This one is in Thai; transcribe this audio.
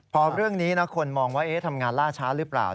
พอเรื่องนี้คนมองว่าทำงานล่าช้าหรือเปล่า